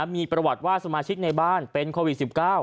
มีประวัติว่าสมาชิกในบ้านเป็นโควิด๑๙